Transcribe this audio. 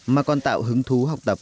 mà còn tạo hứng thú học tập